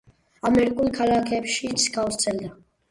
ამერიკულ ქალაქებშიც გავრცელდა